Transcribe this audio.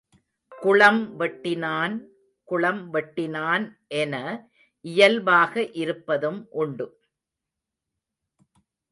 குளம் வெட்டினான் குளம் வெட்டினான் என இயல்பாக இருப்பதும் உண்டு.